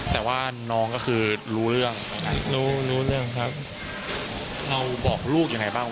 แต่ว่าน้องก็คือรู้เรื่องลูกเรื่องเราบอกลูกอย่างไงบ้าง